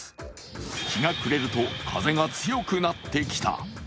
日が暮れると風が強くなってきた。